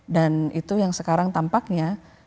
dan itu yang sekarang tampaknya